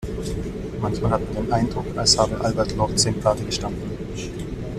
Manchmal hat man den Eindruck, als habe Albert Lortzing Pate gestanden.